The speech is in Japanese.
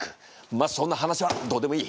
まっそんな話はどうでもいい。